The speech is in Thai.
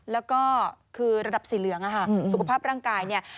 แล้วก็คือระดับสีเหลืองสุขภาพร่างกายเนี่ย